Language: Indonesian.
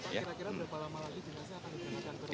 kira kira berapa lama lagi dinasa akan diperlukan